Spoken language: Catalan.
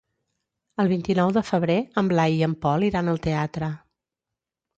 El vint-i-nou de febrer en Blai i en Pol iran al teatre.